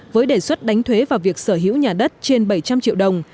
với đề xuất đánh thuế vào việc sở hữu nhà đất trên bảy trăm linh triệu đồng